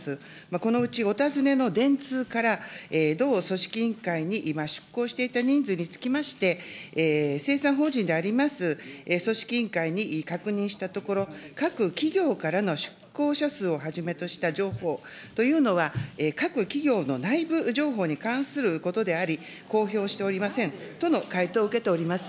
このうちお尋ねの電通から同組織委員会に出向していた人数につきまして、生産法人であります、組織委員会に確認したところ、各企業からの出向者数をはじめとした情報というのは、各企業の内部情報に関することであり、公表しておりませんとの回答を受けております。